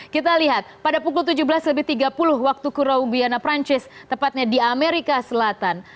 kita lihat pada pukul tujuh belas tiga puluh waktu kurau biana prancis tepatnya di amerika selatan